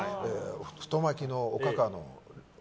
太巻きのおかかの。